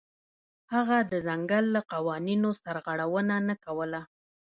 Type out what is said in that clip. هغه د ځنګل له قوانینو سرغړونه نه کوله.